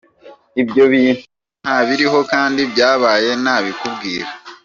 Ibyo bintu nta biriho kandi byabaye nabikubwira.